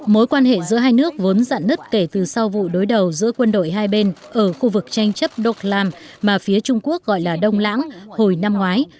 mối quan hệ giữa hai nước vốn dặn nứt kể từ sau vụ đối đầu giữa quân đội hai bên ở khu vực tranh chấp do lam mà phía trung quốc gọi là đông lãng hồi năm ngoái